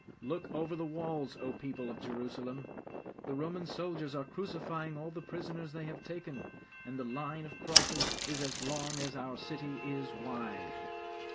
'Look over the walls, O people of Jerusalem; the Roman soldiers are crucifying all the prisoners they have taken, and the line of crosses is as long as our city is wide!'